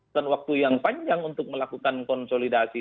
dan waktu yang panjang untuk melakukan konsolidasi